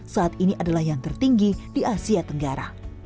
saat ini adalah yang tertinggi di asia tenggara